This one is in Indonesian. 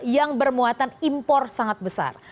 yang bermuatan impor sangat besar